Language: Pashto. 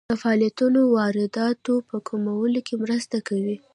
دا فعالیتونه د وارداتو په کمولو کې مرسته کوي.